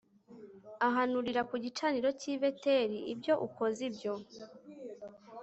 ahanurira ku gicaniro cy i beteli ibyo ukoze ibyo